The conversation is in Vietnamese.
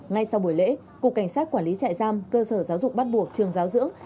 ngay sau buổi lễ cục cảnh sát quản lý trại giam cơ sở giáo dục bắt buộc trường giáo dưỡng